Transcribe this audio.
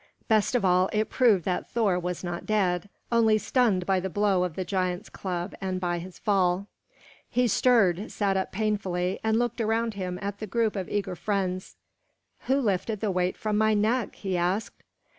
Best of all, it proved that Thor was not dead, only stunned by the blow of the giant's club and by his fall. He stirred, sat up painfully, and looked around him at the group of eager friends. "Who lifted the weight from my neck?" he asked.